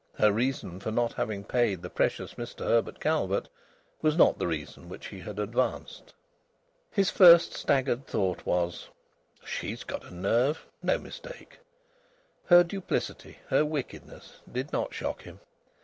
Her reason for not having paid the precious Mr Herbert Calvert was not the reason which she had advanced. His first staggered thought was: "She's got a nerve! No mistake!" Her duplicity, her wickedness, did not shock him.